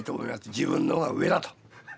自分の方が上だと。